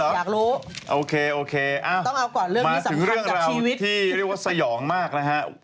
ต้องเอาก่อนเรื่องนี้สำคัญจากชีวิตมาถึงเรื่องราวที่เรียกว่าสยองมากนะฮะ